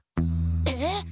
えっ？